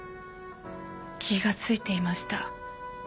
気がついていました。